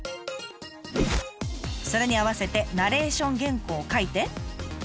それに合わせてナレーション原稿を書いて。